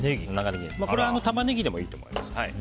これはタマネギでもいいと思います。